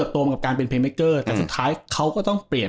แต่สุดท้ายเขาก็ต้องเปลี่ยน